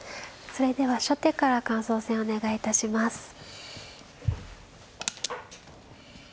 それでは初手から感想戦お願い致します。